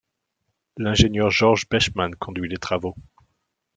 L'ingénieur Georges Bechmann conduit les travaux.